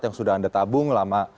yang sudah anda tabung